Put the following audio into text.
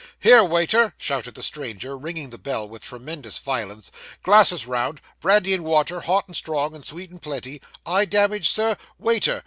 'Here, waiter!' shouted the stranger, ringing the bell with tremendous violence, 'glasses round brandy and water, hot and strong, and sweet, and plenty, eye damaged, Sir? Waiter!